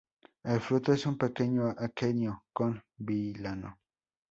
El fruto es un pequeño aquenio con vilano.